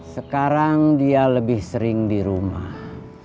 sekarang dia lebih sering di rumah